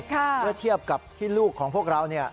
เมื่อเทียบกับที่ลูกของพวกเรา